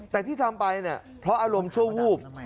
แต่ที่ทำไปเนี่ยเพราะอารมณ์ชั่ววูบ